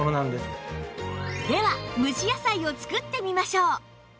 では蒸し野菜を作ってみましょう